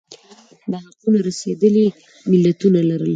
دا حقونه رسېدلي ملتونه لرل